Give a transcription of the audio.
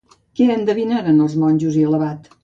Què endevinaren els monjos i l'abat?